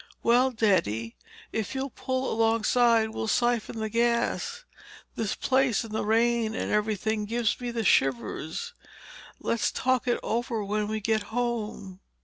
Well, Daddy, if you'll pull alongside we'll siphon the gas. This place and the rain and everything gives me the shivers. Let's talk it over when we get home."